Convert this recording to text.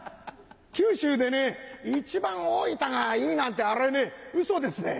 九州でね一番大分がいいなんてあれはねウソですね！